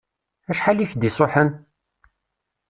Acḥal i k-d-isuḥen?